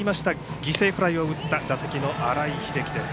犠牲フライを打った打席の新井瑛喜です。